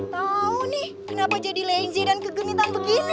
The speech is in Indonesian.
tau nih kenapa jadi lenzi dan kegenitan begini ya